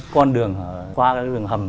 con đường qua đường hầm